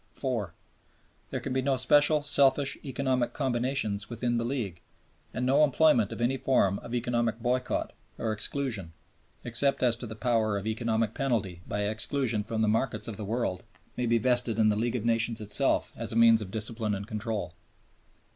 (4) "There can be no special selfish economic combinations within the League and no employment of any form of economic boycott or exclusion, except as the power of economic penalty by exclusion from the markets of the world may be vested in the League of Nations itself as a means of discipline and control."